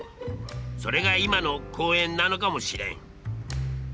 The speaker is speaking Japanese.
それが今の公園なのかもしれん。